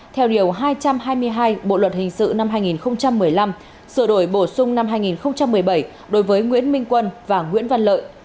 theo điều hai trăm hai mươi hai bộ luật hình sự năm hai nghìn một mươi năm sửa đổi bổ sung năm hai nghìn một mươi bảy đối với nguyễn minh quân và nguyễn văn lợi